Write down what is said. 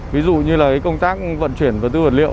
ví dụ như là công tác vận chuyển vật tư vật liệu